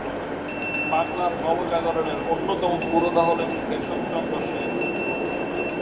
বাংলার নবজাগরণের অন্যতম পুরোধা হলেন কেশবচন্দ্র সেন।